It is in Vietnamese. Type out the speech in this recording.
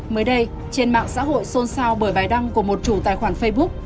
mới đây trên mạng xã hội xôn xao bởi bài đăng của một chủ tài khoản facebook